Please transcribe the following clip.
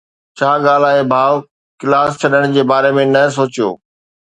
ڇا ڳالهه آهي ڀاءُ؟ ڪلاس ڇڏڻ جي باري ۾ نه سوچيو.